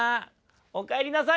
「おかえりなさい。